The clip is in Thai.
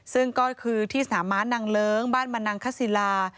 ซึ่งก็คือที่สนามม้านางเลิ้งบ้านมนังคศิลา